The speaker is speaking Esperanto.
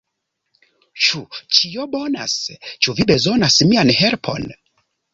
Ĉu ĉio bonas? Ĉu vi bezonas mian helpon?